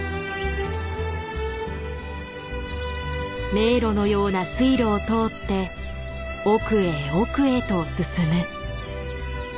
迷路のような水路を通って奥へ奥へと進む。